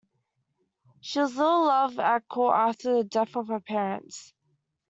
She was little loved at court after the death of her parents.